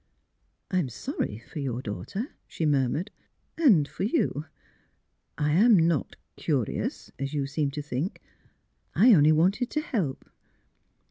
" I am sorry — for your daughter," she mur mured —" and for you. I am not — curious, as you seem to think; I only wanted to help."